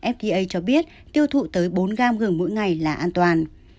fda cho biết tiêu thụ tới bốn gram gừng mỗi ngày là an toàn